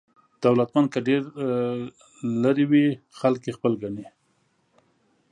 دولتمند که ډېر لرې وي خلک یې خپل ګڼي.